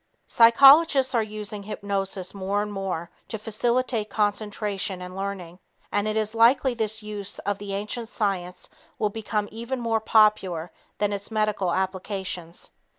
Psychologists are using hypnosis more and more to facilitate concentration and learning, and it is likely this use of the ancient science will become even more popular than its medical applications.